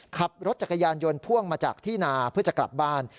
ขับรถจักรยานยนต์พ่วงมาจากที่นาเพื่อจะกลับบ้าน